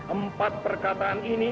empat perkataan ini